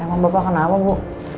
emang bapak kenapa bu